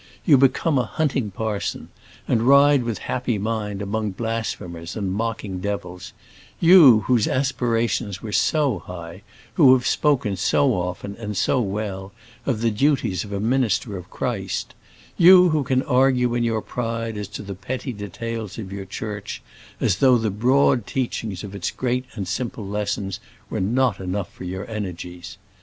You become a hunting parson, and ride with a happy mind among blasphemers and mocking devils you, whose aspirations were so high, who have spoken so often and so well of the duties of a minister of Christ; you, who can argue in your pride as to the petty details of your Church, as though the broad teachings of its great and simple lessons were not enough for your energies!